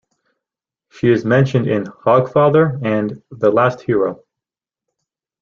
She is mentioned in "Hogfather" and "The Last Hero".